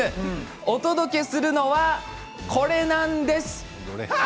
お届けするのはこれなんです。